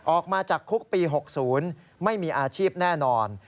ออกมาจากคุกปี๖๐ไม่มีอาชีพแน่นอน